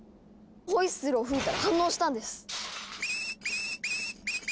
ホイッスルを吹いたら反応したんです！